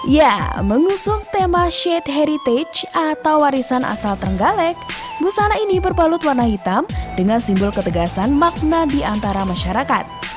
ya mengusung tema shade heritage atau warisan asal terenggalek busana ini berbalut warna hitam dengan simbol ketegasan makna di antara masyarakat